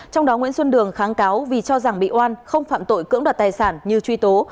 trong đó nguyễn xuân đường kháng cáo vì cho rằng bị oan không phạm tội cưỡng đoạt tài sản như truy tố